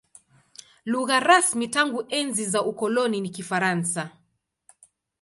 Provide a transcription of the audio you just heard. Lugha rasmi tangu enzi za ukoloni ni Kifaransa.